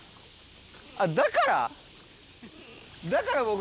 あっだから？